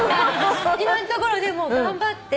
今んところでも頑張って。